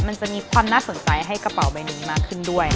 มันจะมีความน่าสนใจให้กระเป๋าใบนี้มากขึ้นด้วย